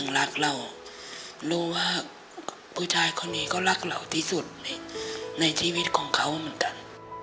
รักเรารู้ว่าผู้ชายคนนี้ก็รักเราที่สุดในชีวิตของเขาเหมือนกัน